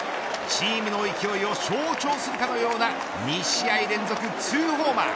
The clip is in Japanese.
チームの勢いを象徴するかのような２試合連続２ホーマー。